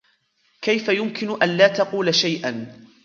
كيف يمكن أن لا تقول شيئاً ؟